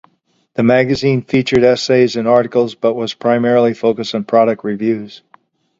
The magazine featured essays and articles, but was primarily focused on product reviews.